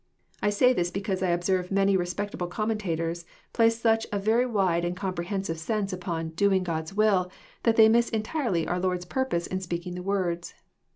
I say this because I observe many re spectable commentators place such & very wide and comprehen JOHN, CHAP. vn. 21 Bive sense upon doing God's will,'* that they miss entirely onr Lord's purpose in speaking the words.